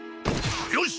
よし！